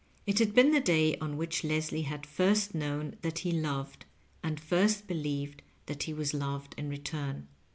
It had been the day on which Leslie had first known that he loved, and first believed that he was loved in return.